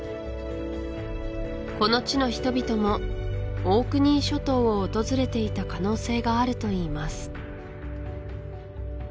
この地の人々もオークニー諸島を訪れていた可能性があるといいます